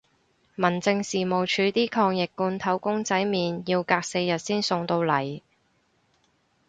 民政事務署啲抗疫罐頭公仔麵要隔四日先送到嚟